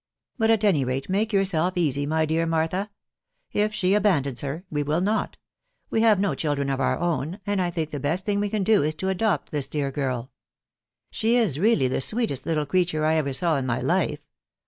But, at any rate, make yourself easy, u\y ^lear Martha ; if she Abandons her, we will not ; we hive no ■children of .out own, and I think the best thing we can do*is to adopt tliis dear :girl. .•. She is really the ^sweetest little ♦creature I ever, saw in my life.